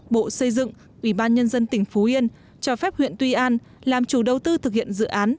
bộ xây dựng ủy ban nhân dân tỉnh phú yên cho phép huyện tuy an làm chủ đầu tư thực hiện dự án